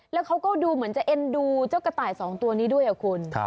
แล้วเขาก็ดูเหมือนจะเอ็นดูเจ้ากระต่ายสองตัวนี้ด้วยคุณ